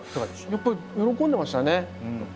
やっぱり喜んでましたね。